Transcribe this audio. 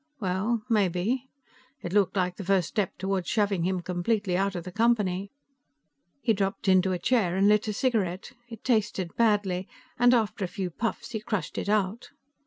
Well, maybe; it looked like the first step toward shoving him completely out of the Company. He dropped into a chair and lit a cigarette. It tasted badly, and after a few puffs he crushed it out.